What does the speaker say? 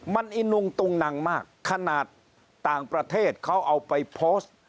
มันอินุงตุงนังมากขนาดต่างประเทศเขาเอาไปโพสต์